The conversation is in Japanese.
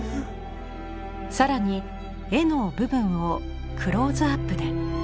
更に絵の部分をクローズアップで。